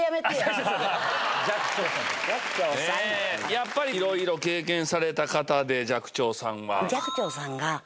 やっぱりいろいろ経験された方で寂聴さんは。